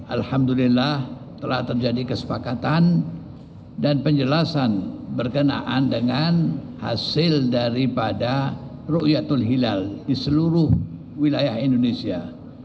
alhamdulillah telah terjadi kesepakatan dan penjelasan berkenaan dengan hasil daripada ⁇ ruyatul hilal di seluruh wilayah indonesia